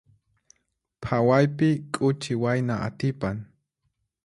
Phawaypi k'uchi wayna atipan.